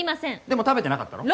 でも食べてなかったろ？